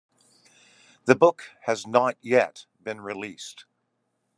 The book has not yet been released.